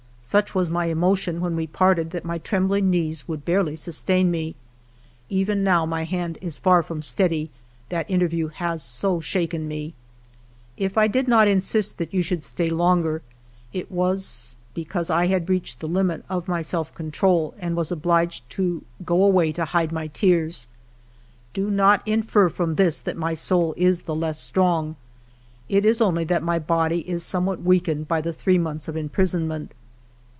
Such was my emotion when we parted that my trembling knees would barely sustain me. Even now, my hand is far from steady, that interview has so shaken me ! If I 38 FIVE YEARS OF MY LIFE did not insist that you should stay longer, it was because I had reached the limit of my self con trol and was obliged to go away to hide my tears. Do not infer from this that my soul is the less strong. It is only that my body is somewhat weakened by the three months of imprison ment.